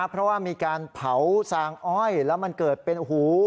เพราะว่ามีการเผาซางอ้อยแล้วมันเกิดเป็นหู